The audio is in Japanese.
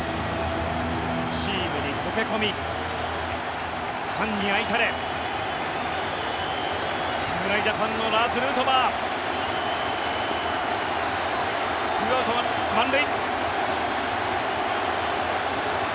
チームに溶け込みファンに愛され侍ジャパンのラーズ・ヌートバー２アウト満塁。